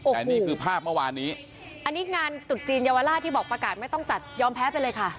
แต่นี่คือภาพเมื่อวานนี้อันนี้งานตุดจีนเยาวราชที่บอกประกาศไม่ต้องจัดยอมแพ้ไปเลยค่ะ